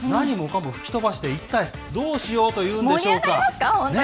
何もかも吹き飛ばして、一体どうしようというんでしょうか。